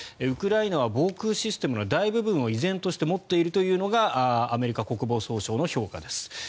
ウクライナは防空システムの大部分を依然として持っているというのがアメリカ国防総省の評価です。